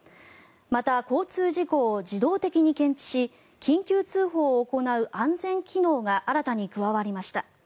また、交通事故を自動的に検知し緊急通報を行う安全機能が新たに加わりました。